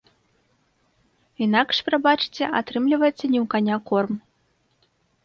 Інакш, прабачце, атрымліваецца не ў каня корм.